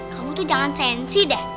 kamu tuh jangan sensi dah